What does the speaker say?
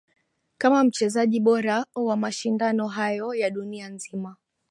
Kama mchezaji bora wa mashindano hayo ya duina nzima